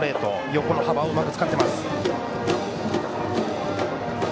横の幅をうまく使っています。